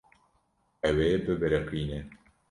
Ew ê bibiriqîne.